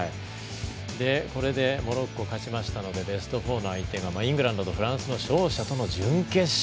これで、モロッコ勝ちましたのでベスト４の相手がイングランド対フランスの勝者との準決勝。